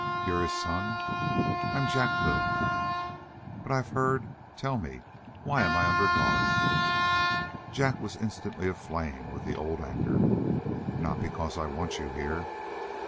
"You're his son?" "I'm Jack Boone." "But I've heard tell me, why am I under guard?" Jack was instantly aflame with the old anger. "Not because I want you here."